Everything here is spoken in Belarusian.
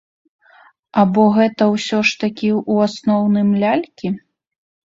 Або гэта, ўсё ж такі, у асноўным лялькі?